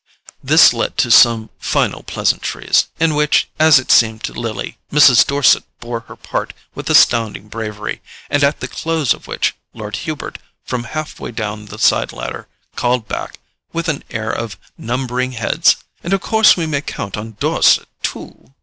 This led to some final pleasantries, in which, as it seemed to Lily, Mrs. Dorset bore her part with astounding bravery, and at the close of which Lord Hubert, from half way down the side ladder, called back, with an air of numbering heads: "And of course we may count on Dorset too?"